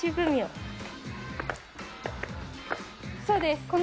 そうです。